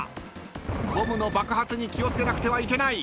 ［ボムの爆発に気を付けなくてはいけない］